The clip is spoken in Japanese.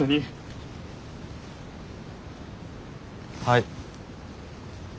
はい。